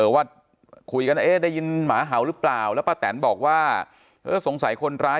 ว่าคุยกันเอ๊ะได้ยินหมาเห่าหรือเปล่าแล้วป้าแตนบอกว่าเออสงสัยคนร้าย